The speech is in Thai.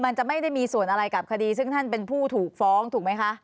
มันจะไม่ได้มีส่วนอะไรกับคดีซึ่งท่านเป็นผู้ถูกฟ้องถูกไหมคะ